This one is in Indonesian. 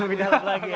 lebih dalam lagi ya